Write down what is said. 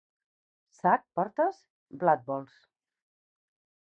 Sac portes? Blat vols.